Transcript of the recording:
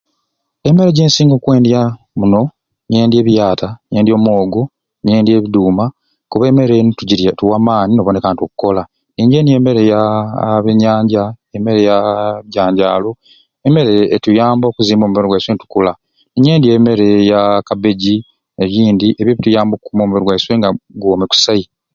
Emmere gyensinga okwendya muno nyendya ebiyaata ngyendya omwogo ngyendya e duuma kuba emmere eyo netugyira etuwa amaani noboneka nti okola nje emmere ya ya ebyenyanja emmere ya bijanjalo emmere etuyamba okuzimba iswena netukula ninyendya emmere ya cabbage negyindi ebyo bituyamba okuu.a omu mubiri gyaiswe nga gwomi kusai